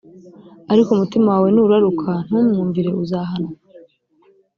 ariko umutima wawe nuraruka, ntumwumvire uzahanwa,